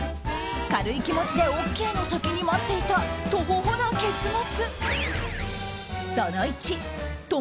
軽い気持ちでＯＫの先に待っていたトホホな結末。